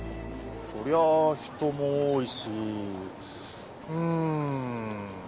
そりゃあ人も多いしうん。